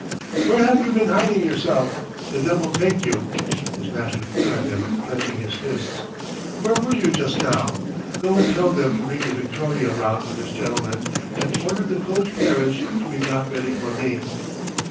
"Where have you been hiding yourself, the devil take you?" His master flew at him, clenching his fists. "Where were you just now? Go and tell them to bring the victoria round for this gentleman, and order the closed carriage to be got ready for me.